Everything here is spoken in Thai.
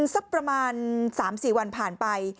สักประมาณ๓๔วันผ่านไป